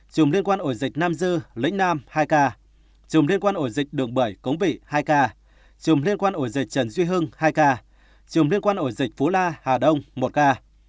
trường liên quan ổ dịch nam dư lĩnh nam hai ca trường liên quan ổ dịch đường bởi cống vị hai ca trường liên quan ổ dịch trần duy hưng hai ca trường liên quan ổ dịch phú la hà đông một ca